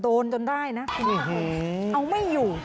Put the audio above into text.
จนจนได้นะเอาไม่อยู่